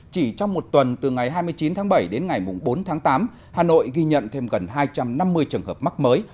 chỉ trong một tuần từ ngày hai mươi chín tháng bảy đến ngày bốn tháng tám hà nội ghi nhận thêm gần hai trăm năm mươi trường hợp mắc mới